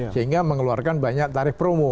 sehingga mengeluarkan banyak tarif promo